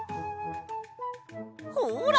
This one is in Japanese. ほら！